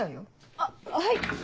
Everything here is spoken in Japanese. あっはい。